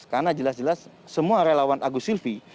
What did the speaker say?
karena jelas jelas semua relawan agus silvi